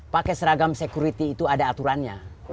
pakai seragam security itu ada aturannya